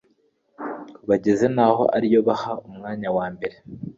Bageza naho ari yo baha umwanya wa mbere